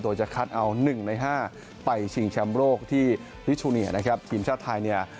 โดยจะคัดเอาหนึ่งในห้าไปชิงแชมป์โลกที่ทีมชาติไทยเนี่ย